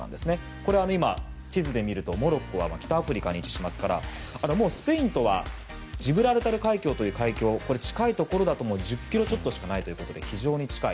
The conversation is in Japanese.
これは地図で見るとモロッコは北アフリカに位置しますからスペインとはジブラルタル海峡とも近いところだと１０ｋｍちょっとしかないということで非常に近い。